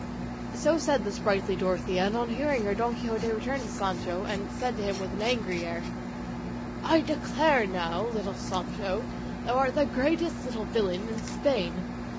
So said the sprightly Dorothea, and on hearing her Don Quixote turned to Sancho, and said to him, with an angry air, "I declare now, little Sancho, thou art the greatest little villain in Spain.